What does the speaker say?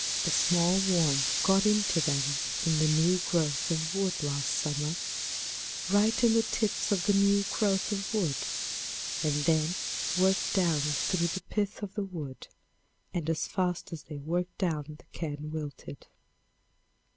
A small worm got into them in the new growth of wood lost summer, right in the tips of the new growth of wood, and then worked down through the pith of the wood, and as fast as they worked down the can wilted.